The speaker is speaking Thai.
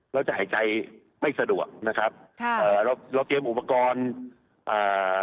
เราจะหายใจไม่สะดวกนะครับค่ะเอ่อเราเราเตรียมอุปกรณ์อ่า